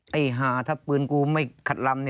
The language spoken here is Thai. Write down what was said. ไอ้หาถ้าปืนกูไม่ขัดลำ